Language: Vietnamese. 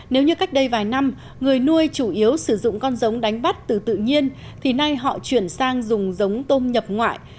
nếu như cách đây vài năm người nuôi chủ yếu sử dụng con giống đánh bắt từ tự nhiên thì nay họ chuyển sang dùng giống tôm nhập ngoại